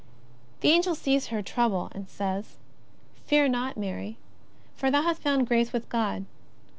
The Angel sees her trouble and says : "Fear not, Mary, for thou hast found grace with God.